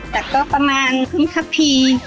แต่ก็ประมาณครึ่งครับพี่